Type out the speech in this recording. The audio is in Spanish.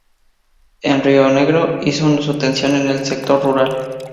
En Rionegro hizo su atención en el sector rural.